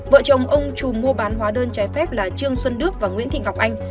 vợ chồng ông trù mua bán hóa đơn trái phép là trương xuân đức và nguyễn thị ngọc anh